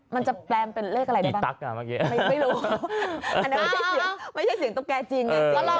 มันจะแปลงเป็นเลขอะไรได้บ้างไม่รู้มันไม่ใช่เสียงตุ๊กแกจริงเดี๋ยว